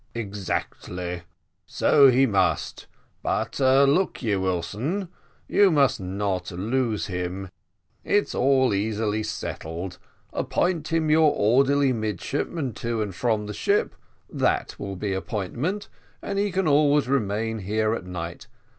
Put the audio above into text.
"Exactly, so he must; but look ye, Wilson, you must not lose him: it's all easily settled appoint him your orderly midshipman to and from the ship; that will be employment, and he can always remain here at night.